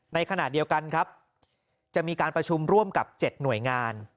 ในขณะเดียวกันครับจะมีการประชุมร่วมกับ๗หน่วยงาน